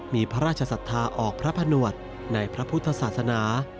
มีพระราชศรัทธาออกพระผนวดในพระพุทธศาสนา